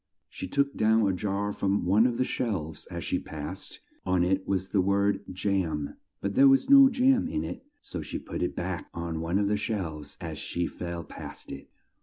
She took down a jar from one of the shelves as she passed. On it was the word Jam, but there was no jam in it, so she put it back on one of the shelves as she fell past it.